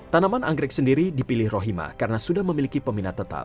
tanaman anggrek sendiri dipilih rohima karena sudah memiliki peminat tetap